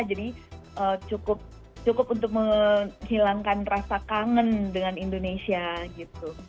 jadi cukup untuk menghilangkan rasa kangen dengan indonesia gitu